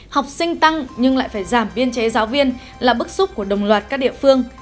học sinh tăng nhưng lại phải giảm biên chế giáo viên là bức xúc của đồng loạt các địa phương